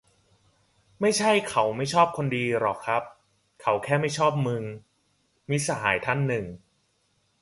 "ไม่ใช่เค้าไม่ชอบคนดีหรอกครับ เค้าแค่ไม่ชอบมึง" - มิตรสหายท่านหนึ่ง"